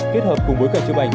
kết hợp cùng bối cảnh chụp ảnh